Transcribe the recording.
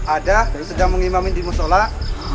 ada sedang mengimamin di masjolah